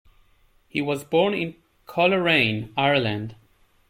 He was born in Coleraine, Ireland.